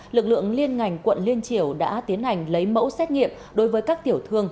lực lượng liên ngành quận liên triều đã tiến hành lấy mẫu xét nghiệm đối với các tiểu thương